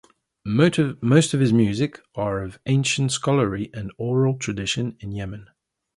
Most of his music are of ancient scholarly and oral traditions of Yemen.